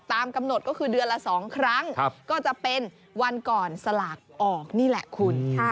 ตามกำหนดก็คือเดือนละ๒ครั้งก็จะเป็นวันก่อนสลากออกนี่แหละคุณ